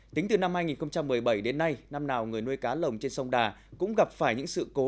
tính từ năm hai nghìn một mươi bảy đến nay năm nào người nuôi cá lồng trên sông đà cũng gặp phải những sự cố